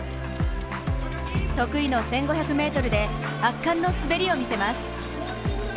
得意の１５００ｍで圧巻の滑りを見せます。